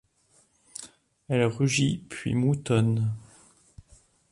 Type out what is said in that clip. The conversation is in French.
Elle rugit, puis moutonne.